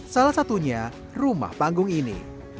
salah satunya rumah panggung ini